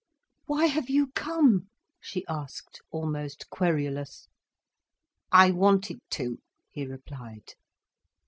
"Why have you come?" she asked, almost querulous. "I wanted to," he replied.